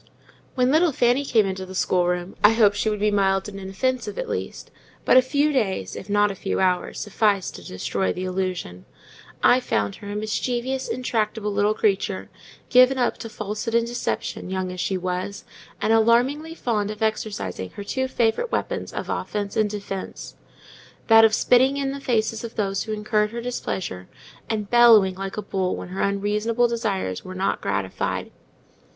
When little Fanny came into the schoolroom, I hoped she would be mild and inoffensive, at least; but a few days, if not a few hours, sufficed to destroy the illusion: I found her a mischievous, intractable little creature, given up to falsehood and deception, young as she was, and alarmingly fond of exercising her two favourite weapons of offence and defence: that of spitting in the faces of those who incurred her displeasure, and bellowing like a bull when her unreasonable desires were not gratified.